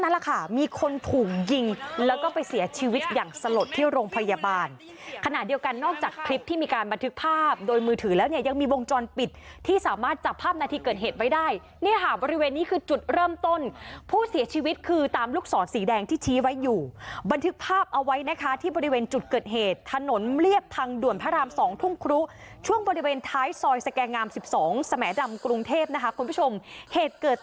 แล้วก็ไปเสียชีวิตอย่างสลดที่โรงพยาบาลขณะเดียวกันนอกจากคลิปที่มีการบันทึกภาพโดยมือถือแล้วเนี่ยยังมีวงจรปิดที่สามารถจับภาพนาทีเกิดเหตุไว้ได้เนี่ยฮะบริเวณนี้คือจุดเริ่มต้นผู้เสียชีวิตคือตามลูกศรสีแดงที่ชี้ไว้อยู่บันทึกภาพเอาไว้นะคะที่บริเวณจุดเกิดเหตุ